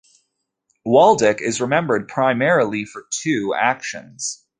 Waldeck is remembered primarily for two actions.